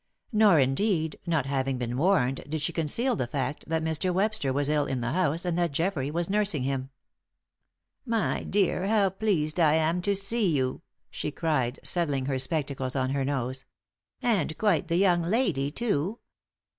Nor indeed not having been warned did she conceal the fact that Mr. Webster was ill in the house and that Geoffrey was nursing him. "My dear, how pleased I am to see you!" she cried, settling her spectacles on her nose. "And quite the young lady, too!